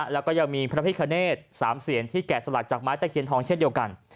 แล้วก็ยังมีพระพิคเนต๓เสียนที่แกะสลักจากไม้ตะเคียนทองเช่นเดียวกัน